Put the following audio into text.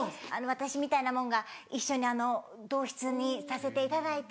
私みたいな者が一緒に同室にさせていただいて。